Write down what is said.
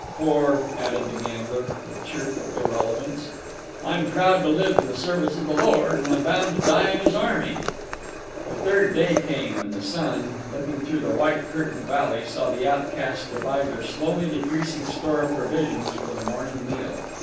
For," added the gambler, with cheerful irrelevance, "'I'm proud to live in the service of the Lord, And I'm bound to die in His army.'" The third day came, and the sun, looking through the white curtained valley, saw the outcasts divide their slowly decreasing store of provisions for the morning meal.